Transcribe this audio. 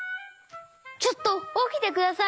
ちょっとおきてください！